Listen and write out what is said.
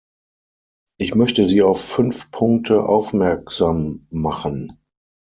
Ich möchte Sie auf fünf Punkte aufmerksam machen.